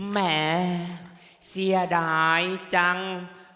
แหมเสียดายจัง